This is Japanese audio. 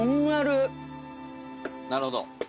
なるほど。